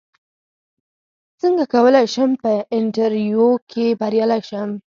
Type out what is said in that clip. څنګه کولی شم په انټرویو کې بریالی شم